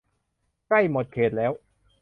ใกล้หมดเขตแล้ว !